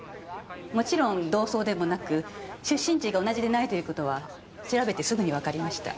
もちろん同窓でもなく出身地が同じでないという事は調べてすぐにわかりました。